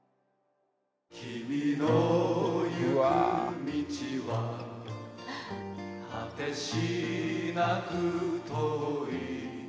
「君の行く道は果てしなく遠い」